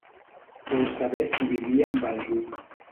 Vol saber si vivia amb algú.